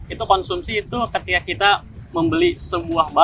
itu konsumsi itu ketika kita membeli sebuah barang